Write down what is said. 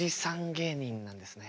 芸人なんですね。